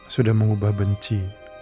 sudah mengubah benci